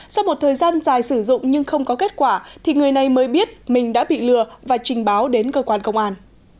sau một thời gian dài sử dụng nhưng không có kết quả thì người này mới biết mình đã bị lừa và trình báo đến cơ quan công an